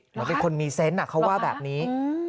เหมือนเป็นคนมีเซนต์เขาว่าแบบนี้